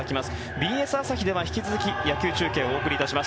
ＢＳ朝日では引き続き野球中継をお送りいたします。